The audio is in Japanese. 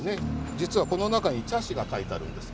実はこの中に茶師が描いてあるんですけど